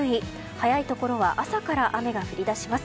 早いところは朝から雨が降り出します。